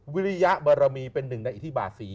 วิริยบรมีเป็นหนึ่งในอิทธิบาศรี